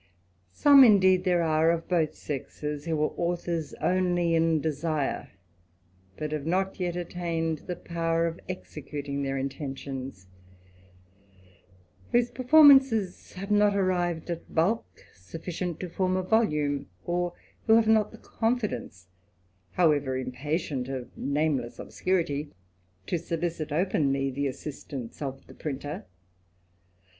Some, indeed, there are of both sexes, who are authors only in desire, but have not yet attained the power of executing their intentions; whose performances have not arrived at bulk sufficient to form a volume, or who have not the confidence, however impatient, of nameless obscurity, to solicit openly the assistance of the printer.